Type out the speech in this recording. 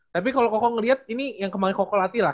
tapi kalau koko ngelihat ini yang kemarin koko latih lah